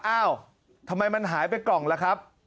อ้าวทำไมมันหายไปกล่องล่ะครับ